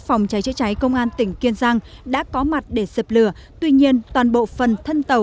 phòng cháy chữa cháy công an tỉnh kiên giang đã có mặt để dập lửa tuy nhiên toàn bộ phần thân tàu